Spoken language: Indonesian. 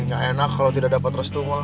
ga enak kalo tidak dapat restu mah